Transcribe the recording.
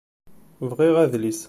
Ɣriɣ adlis.